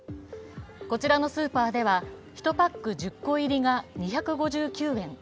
こちらのスーパーでは１パック１０個入りが２５９円。